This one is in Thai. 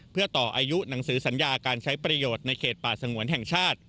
เพื่อต่ออายุหนังสือสัญญาการใช้ประโยชน์ในเขตป่าสงวนแห่งชาติ